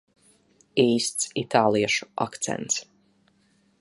Īsts itāliešu akcents.